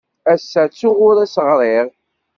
Ass-a ttuɣ ur as-ɣriɣ.